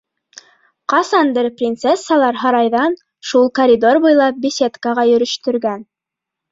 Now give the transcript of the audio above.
Ҡасандыр принцессалар һарайҙан шул коридор буйлап беседкаға йөрөштөргән.